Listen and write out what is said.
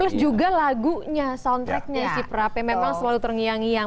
terus juga lagunya soundtracknya si prap memang selalu terngiang ngiang